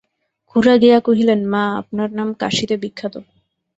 খুড়া গিয়া কহিলেন, মা আপনার নাম কাশীতে বিখ্যাত।